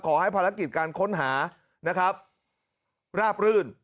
ภารกิจการค้นหานะครับราบรื่น